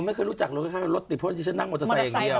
อ๋อไม่เคยรู้จักรถรถติดเพราะฉะนั้นที่ฉันนั่งมอเตอร์ไซค์อย่างเดียว